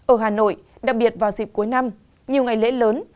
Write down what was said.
ở hà nội đặc biệt vào dịp cuối năm nhiều ngày lễ lớn